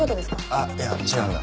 あっいや違うんだ。